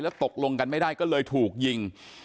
ตกลงกันไม่ได้ก็เลยถูกยิง